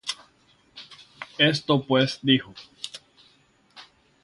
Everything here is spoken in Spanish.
Esto pues digo: